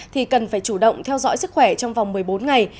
thì cần phải chủ động theo dõi sức khỏe trong vòng một mươi bốn ngày